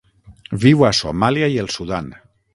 Viu a Somàlia i el Sudan.